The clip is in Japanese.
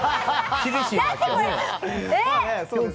厳しいな、今日。